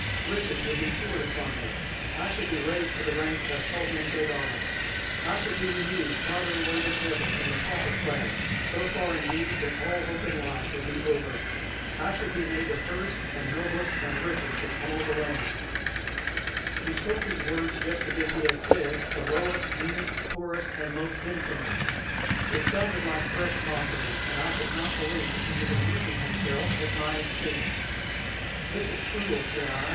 Riches would be poured upon me; I should be raised to the rank of Kohen Gadol; I should be removed farther away than ever from the pauper class so far, indeed, that all hope in life would be over. I should be made the first and noblest and richest in all the land." He spoke these words just as if he had said, "the lowest, meanest, poorest, and most infamous." It sounded like fresh mockery, and I could not believe but that he was amusing himself at my expense. "This is cruel," said I.